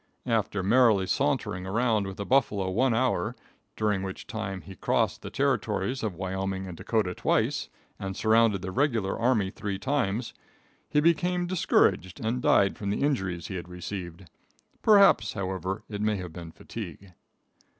After merrily sauntering around with the buffalo one hour, during which time he crossed the territories of Wyoming and Dakota twice and surrounded the regular army three times, he became discouraged and died fiom the injuries he had received. Perhaps, however, it may have been fatigue.